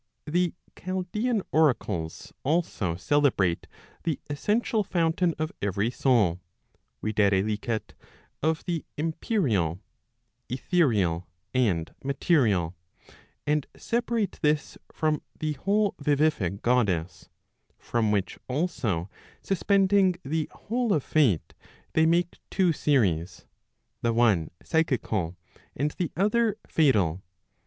The Chaldean oracles also celebrate the essential fountain of every soul, viz. of the empyreal, etherial, and material, and separate this from the whole vivific goddess; from which also suspending the whole of Fate, they make two series, the one psychical, and the other fatal.